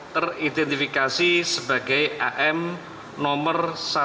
teridentifikasi sebagai am nomor satu ratus delapan puluh dua